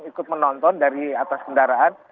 ikut menonton dari atas kendaraan